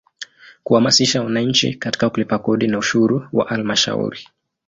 Kuhamasisha wananchi katika kulipa kodi na ushuru wa Halmashauri.